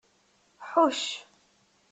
Ḥucc.